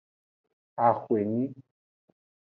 Axwenyi.